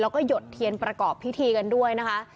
แล้วก็หยดเทียนประกอบพิธีกันด้วยนะคะ